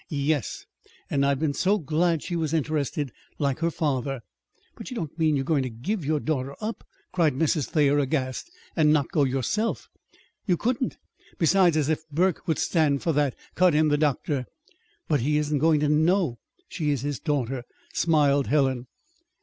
"Yes. And I've been so glad she was interested like her father." "But you don't mean you're going to give your daughter up," cried Mrs. Thayer, aghast, "and not go yourself!" "You couldn't! Besides, as if Burke would stand for that," cut in the doctor. "But he isn't going to know she is his daughter," smiled Helen.